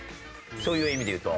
そういう意味で言うと。